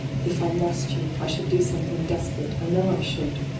* If I lost you, I shoidd do something desperate — I know I should